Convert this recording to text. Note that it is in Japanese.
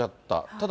ただ、